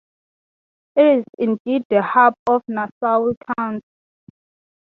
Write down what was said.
It is indeed the "Hub" of Nassau County.